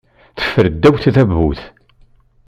Teffer ddaw tdabut.